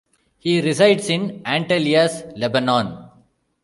He resides in Antelias, Lebanon.